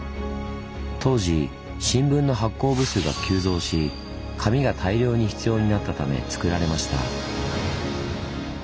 当時新聞の発行部数が急増し紙が大量に必要になったためつくられました。